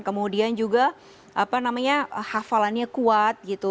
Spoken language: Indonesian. kemudian juga apa namanya hafalannya kuat gitu